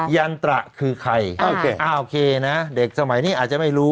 ยันตระคือใครโอเคโอเคนะเด็กสมัยนี้อาจจะไม่รู้